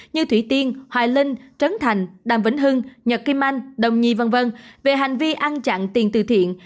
như thủy tiên hoài linh trấn thành đàm vĩnh hưng nhật kim anh đồng nhi v v về hành vi ăn chặn tiền từ thiện